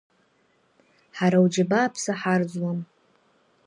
Ҳара уџьабааԥса ҳарӡуам.